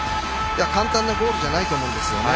簡単なゴールじゃないと思います。